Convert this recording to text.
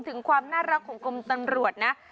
ถึงความน่ารักของกรมตำรวจนะ